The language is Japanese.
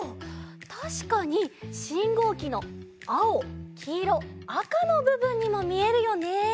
たしかにしんごうきのあおきいろあかのぶぶんにもみえるよね。